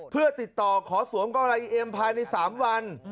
เพื่อติดต่อขอสวมกอไรอีเอ็มภายใน๓วัน